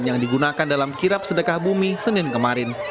yang digunakan dalam kirap sedekah bumi senin kemarin